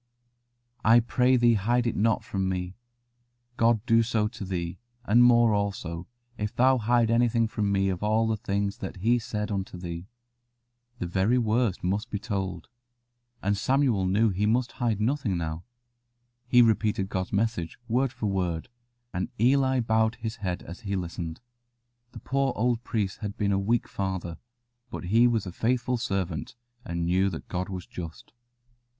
"I pray thee hide it not from me: God do so to thee, and more also, if thou hide anything from me of all the things that He said unto thee." The very worst must be told, and Samuel knew he must hide nothing now. He repeated God's message word for word, and Eli bowed his head as he listened. The poor old priest had been a weak father, but he was a faithful servant, and knew that God was just.